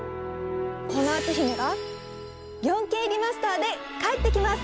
この篤姫が４Ｋリマスターで帰ってきます！